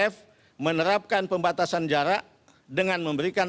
f menerapkan pembatasan jarak dengan memberikan